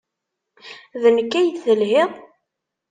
D nekk ay d-telhiḍ?